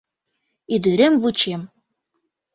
— Ӱдырем вучем.